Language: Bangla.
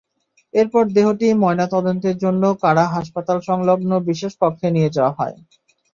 এরপর দেহটি ময়নাতদন্তের জন্য কারা হাসপাতালসংলগ্ন বিশেষ কক্ষে নিয়ে যাওয়া হয়।